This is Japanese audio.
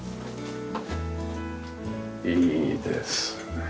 いいですね。